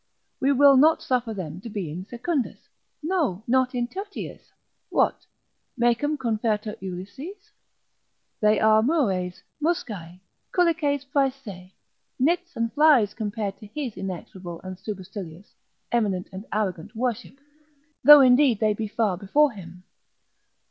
We will not suffer them to be in secundis, no, not in tertiis; what, Mecum confertur Ulysses? they are Mures, Muscae, culices prae se, nits and flies compared to his inexorable and supercilious, eminent and arrogant worship: though indeed they be far before him.